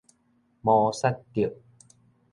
摩薩德